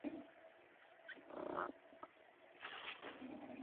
دوی خپل هیواد جوړ کړ.